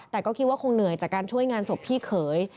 แต่ก็คิดว่าคงเหนื่อยจากการช่วยงานศพพี่เขย